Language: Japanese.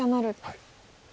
はい。